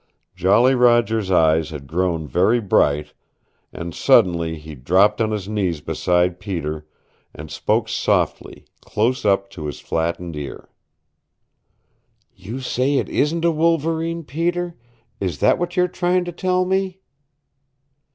Jolly Roger's eyes had grown very bright, and suddenly he dropped on his knees beside Peter, and spoke softly, close up to his flattened ear. "You say it isn't a wolverine, Peter? Is that what you're trying to tell me?"